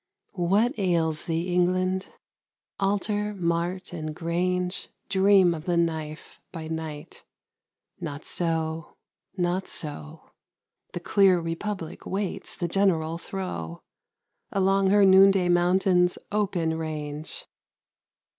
What ails thee, England? Altar, mart, and grange Dream of the knife by night; not so, not so, The clear Republic waits the general throe, Along her noonday mountains' open range.